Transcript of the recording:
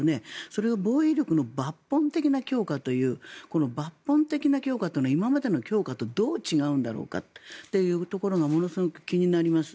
それを防衛力の抜本的な強化という抜本的な強化というのは今までの強化とどう違うんだろうかというところがものすごく気になります。